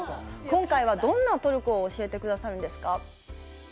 今回はどんなトルコを教えてくださるんですか？